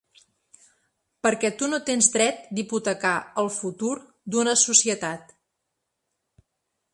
Perquè tu no tens dret d’hipotecar el futur d’una societat.